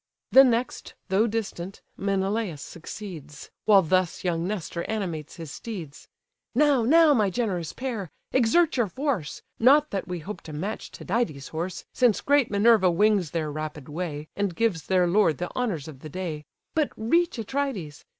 The next, though distant, Menelaus succeeds; While thus young Nestor animates his steeds: "Now, now, my generous pair, exert your force; Not that we hope to match Tydides' horse, Since great Minerva wings their rapid way, And gives their lord the honours of the day; But reach Atrides!